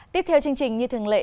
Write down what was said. tiếp theo chương trình như thường lệ